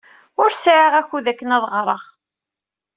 Ur sɛiɣ akud akken ad ɣreɣ.